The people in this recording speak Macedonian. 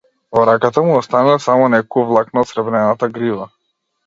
Во раката му останале само неколку влакна од сребрената грива.